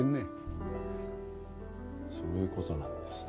そういう事なんですね。